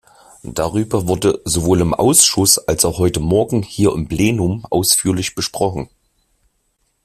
Darüber wurde sowohl im Ausschuss als auch heute morgen hier im Plenum ausführlich gesprochen.